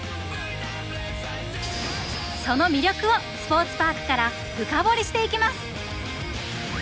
その魅力をスポーツパークから深掘りしていきます！